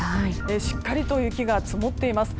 しっかりと雪が積もっています。